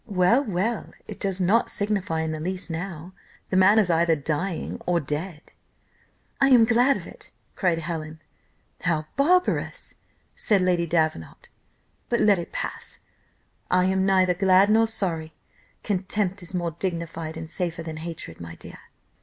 "Well, well! it does not signify in the least now; the man is either dying or dead." "I am glad of it," cried Helen. "How barbarous!" said Lady Davenant, "but let it pass, I am neither glad nor sorry; contempt is more dignified and safer than hatred, my dear.